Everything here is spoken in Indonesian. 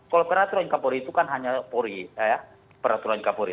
kalau peraturan kapolri itu kan hanya polri peraturan kapolri